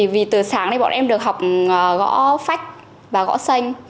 vì từ sáng nay bọn em được học gõ phách và gõ xanh